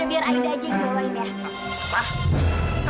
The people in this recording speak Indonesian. yaudah biar aida aja yang bawa ini ya